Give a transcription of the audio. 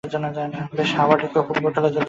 বেশ, হার্ভার্ডে তো কেউ আর ফুটবল খেলার জন্য যায় না।